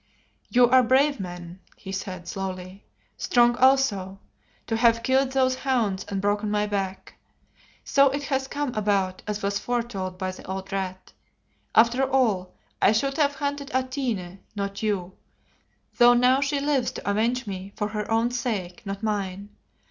"You are brave men," he said, slowly, "strong also, to have killed those hounds and broken my back. So it has come about as was foretold by the old Rat. After all, I should have hunted Atene, not you, though now she lives to avenge me, for her own sake, not mine.